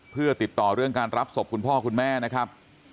เพื่อติดต่อเรื่องการรับศพคุณพ่อคุณแม่นะครับ